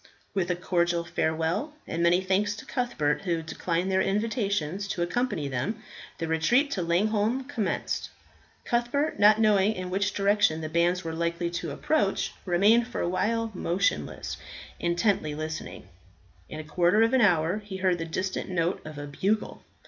With a cordial farewell and many thanks to Cuthbert, who declined their invitations to accompany them, the retreat to Langholm commenced. Cuthbert, not knowing in which direction the bands were likely to approach, remained for a while motionless, intently listening. In a quarter of an hour he heard the distant note of a bugle.